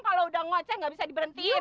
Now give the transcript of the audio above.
kalau udah ngocek nggak bisa diberhentiin